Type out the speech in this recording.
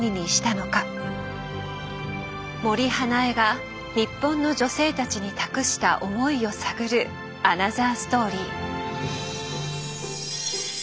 森英恵が日本の女性たちに託した「思い」を探るアナザーストーリー。